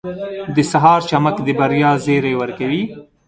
• د سهار چمک د بریا زیری ورکوي.